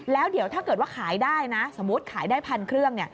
แล้วเดี๋ยวถ้าเกิดว่าขายได้นะสมมุติขายได้พันเครื่อง